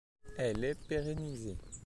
Elle est pérennisée.